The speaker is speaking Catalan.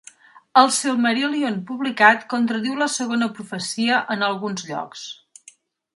El "Silmarillion" publicat contradiu la segona profecia en alguns llocs.